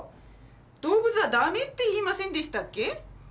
動物はダメって言いませんでしたっけ？